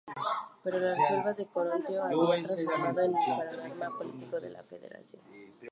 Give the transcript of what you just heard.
Pero la revuelta de Corinto había transformado el panorama político de la federación.